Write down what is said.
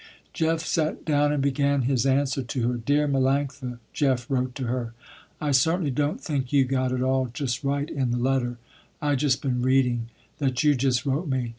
Jeff sat down and began his answer to her. "Dear Melanctha," Jeff wrote to her. "I certainly don't think you got it all just right in the letter, I just been reading, that you just wrote me.